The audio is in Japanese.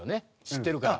知ってるから。